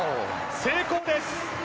成功です。